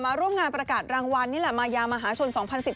ร่วมงานประกาศรางวัลนี่แหละมายามหาชน๒๐๑๘